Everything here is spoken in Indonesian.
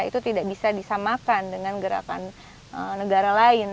itu tidak bisa disamakan dengan gerakan negara lain